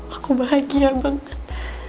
aku bahagia banget